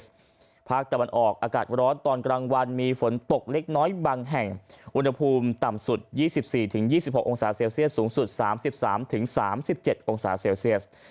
ส่วนภาคใต้ฝั่งตะวันออกนะครับมีเมฆบางส่วนก็มีฝนตกเล็กน้อยบางแห่งอุณหภูมิต่ำสุด๒๒๒๖องศาเซลเซียสสูงสุด๓๑๓๖องศาเซลเซียส